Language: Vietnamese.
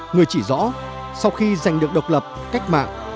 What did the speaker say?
người chỉ rõ sau khi giành được độc lập cách mạng